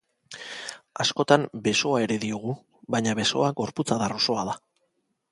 Askotan besoa ere diogu, baina besoa gorputz-adar osoa da.